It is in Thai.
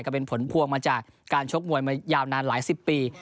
ก็เป็นผลพวงมาจากการชกมวยมายาวนานหลายสิบปี